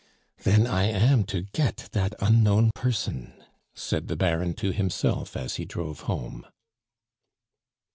"Then I am to get dat unknown person," said the Baron to himself as he drove home.